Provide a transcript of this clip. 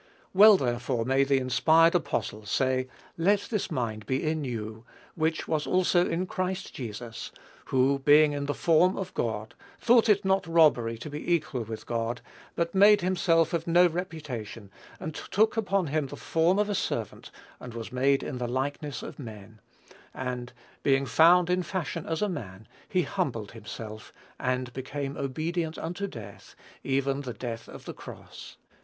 Well, therefore, may the inspired apostle say, "Let this mind be in you, which was also in Christ Jesus; who, being in the form of God, thought it not robbery to be equal with God; but made himself of no reputation, and took upon him the form of a servant, and was made in the likeness of men; and being found in fashion as a man, he humbled himself, and became obedient unto death, even the death of the cross.